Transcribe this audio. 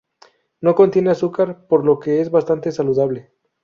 No contiene azúcar, por lo que es bastante saludable.